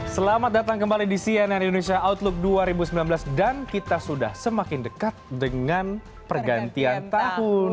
selamat datang kembali di cnn indonesia outlook dua ribu sembilan belas dan kita sudah semakin dekat dengan pergantian tahun